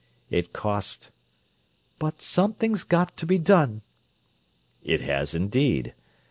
It cost—" "But something's got to be done." "It has, indeed!